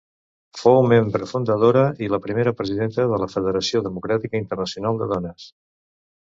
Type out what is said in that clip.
Fou membre fundadora i la primera presidenta de la Federació Democràtica Internacional de Dones.